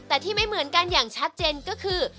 แต่ที่ไม่เหมือนกันอย่างชัดเจนก็คือ